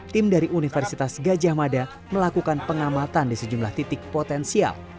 tim dari universitas gajah mada melakukan pengamatan di sejumlah titik potensial